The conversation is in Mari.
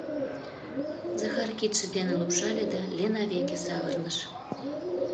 — Захар кидше деке лупшале да Лена веке савырныш: